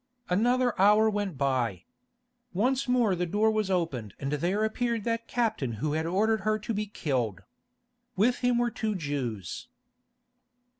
Another hour went by. Once more the door was opened and there appeared that captain who had ordered her to be killed. With him were two Jews.